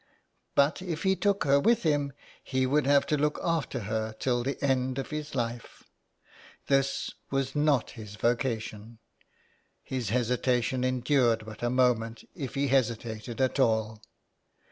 But if he took her with him he would have to look after her till the end of his life. This was not his vocation. His hesitation endured but a moment, if he hesitated at all.